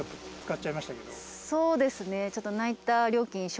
そうですね。